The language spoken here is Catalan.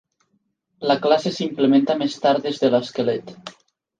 La classe s'implementa més tard des de l'esquelet.